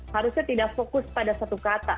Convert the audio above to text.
harusnya tidak fokus pada satu kata